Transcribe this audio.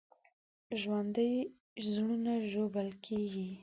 ژوندي زړونه ژوبل کېږي